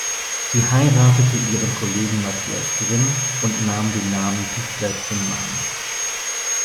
Sie heiratete ihren Kollegen Matthias Grimm und nahm den Namen Pichler-Grimm an.